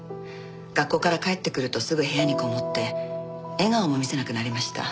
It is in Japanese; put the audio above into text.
学校から帰ってくるとすぐ部屋にこもって笑顔も見せなくなりました。